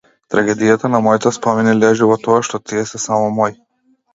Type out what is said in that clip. Трагедијата на моите спомени лежи во тоа што тие се само мои.